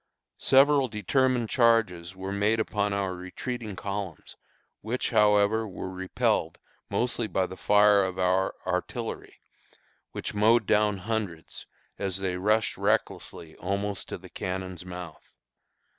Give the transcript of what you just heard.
Several determined charges were made upon our retreating columns, which, however, were repelled mostly by the fire of our artillery, which mowed down hundreds as they rushed recklessly almost to the cannon's mouth.